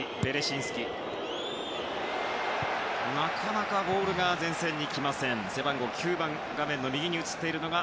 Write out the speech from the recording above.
なかなかボールが前線に来ません。